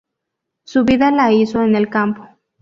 Su vida la hizo en el campo.